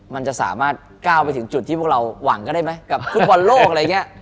มันจะสามารถก้าวไปถึงจุดที่พวกเราหวังก็ได้ไหมกับฟุตบอลโลกอะไรอย่างนี้